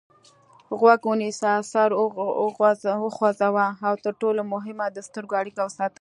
غوږ ونیسه سر وخوځوه او تر ټولو مهمه د سترګو اړیکه وساته.